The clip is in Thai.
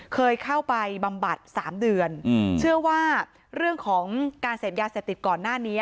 เคยเข้าไปบำบัด๓เดือนเชื่อว่าเรื่องของการเสพยาเสพติดก่อนหน้านี้